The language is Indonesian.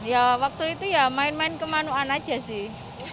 ya waktu itu ya main main kemanuan aja sih